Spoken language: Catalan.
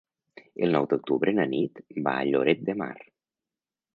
El nou d'octubre na Nit va a Lloret de Mar.